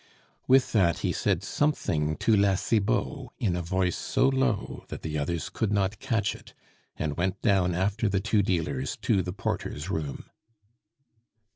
With that he said something to La Cibot in a voice so low that the others could not catch it, and went down after the two dealers to the porter's room.